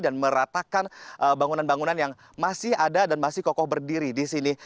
dan meratakan bangunan bangunan yang masih ada dan masih kokoh berdiri di sini